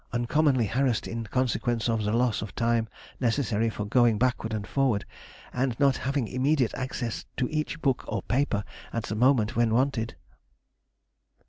_ Uncommonly harassed in consequence of the loss of time necessary for going backward and forward, and not having immediate access to each book or paper at the moment when wanted.